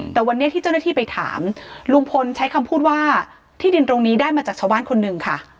แต่วันนี้ที่เจ้าหน้าที่ไปถามลุงพลใช้คำพูดว่าที่ดินตรงนี้ได้มาจากชาวบ้านคนหนึ่งค่ะ